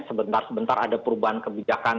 sebentar sebentar ada perubahan kebijakan